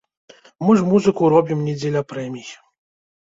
Мы ж музыку робім не дзеля прэмій.